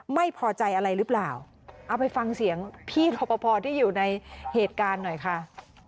ไม่พอใจอะไรหรือเปล่าเอาไปฟังเสียงพี่รอปภที่อยู่ในเหตุการณ์หน่อยค่ะ